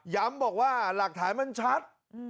ย้ำบอกว่าหลักถ่ายมันชัด